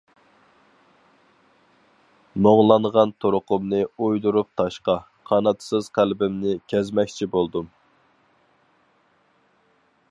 مۇڭلانغان تۇرقۇمنى ئويدۇرۇپ تاشقا، قاناتسىز قەلبىمنى كەزمەكچى بولدۇم.